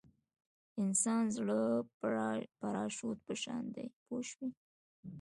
د انسان زړه د پراشوټ په شان دی پوه شوې!.